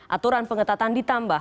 aturan pengetatan ditambah